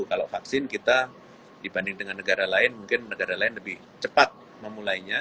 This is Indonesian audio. kalau vaksin kita dibanding dengan negara lain mungkin negara lain lebih cepat memulainya